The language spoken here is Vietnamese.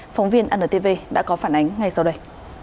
phóng viên antv đã có phản ánh ngay sau đây